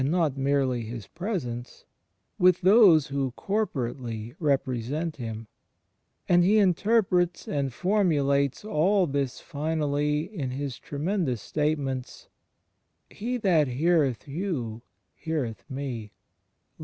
CHRIST IN THE EXTERIOR 59 merely His Presence — with those who corporately represent Him; and He interprets and formulates all this finally in His tremendous statements: ''He that heareth you, heareth Me ^...